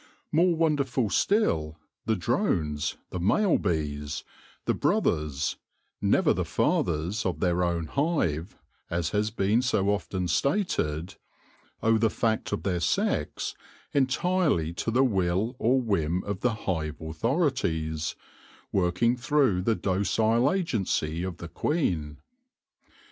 More wonderful still, the drones, the male bees — the brothers, never the fathers, of their own hive, as has been so often stated — owe the fact of their sex entirely to the will or whim of the hive authorities, working through the docile agency of the queen.